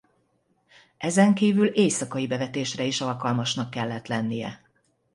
Ezen kívül éjszakai bevetésre is alkalmasnak kellett lennie.